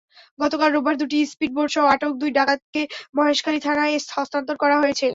গতকাল রোববার দুটি স্পিডবোটসহ আটক দুই ডাকাতকে মহেশখালী থানায় হস্তান্তর করা হয়েছে।